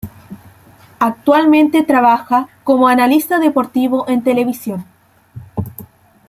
Actualmente trabaja como analista deportivo en televisión.